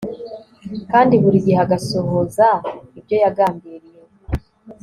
kandi buri gihe agasohoza ibyo yagambiriye